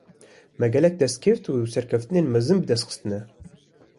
Me, gelek destkeft û serkeftinên mezin bi dest xistine